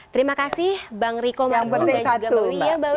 terima kasih bang riko bang bung dan juga mbak wiyah